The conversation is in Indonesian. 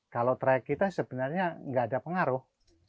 kalau trayek kita sebenarnya tidak ada pengaruh